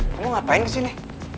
kamu ngapain kesini